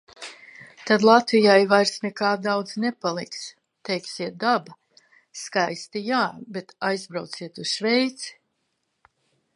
Tad Latvijai vairs nekā daudz nepaliks... Teiksiet daba? Skaisti jā, bet aizbrauciet uz Šveici.